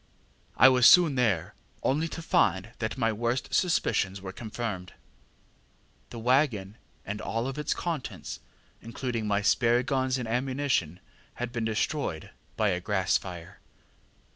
I was soon there, only to find that my worst suspicions were confirmed. ŌĆ£The waggon and all its contents, including my spare guns and ammunition, had been destroyed by a grass fire.